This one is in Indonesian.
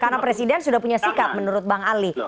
karena presiden sudah punya sikap menurut bang ali